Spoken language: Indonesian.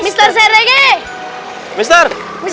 mister dari mana aja mister